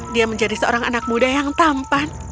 dia menjadi seorang anak muda yang tampan